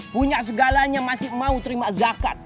punya segalanya masih mau terima zakat